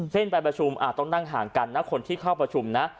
ไปประชุมต้องนั่งห่างกันนะคนที่เข้าประชุมนะ